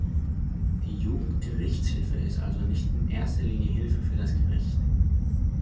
Die Jugendgerichtshilfe ist also nicht in erster Linie Hilfe für das Gericht.